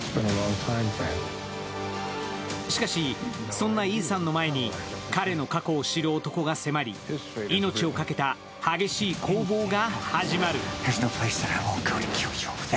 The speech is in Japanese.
しかし、そんなイーサンの前に彼の過去を知る男が迫り命を懸けた激しい攻防が始まる。